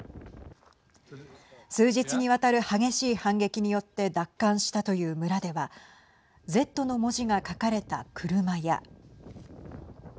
数日にわたる激しい反撃によって奪還したという村ではＺの文字が書かれた車や。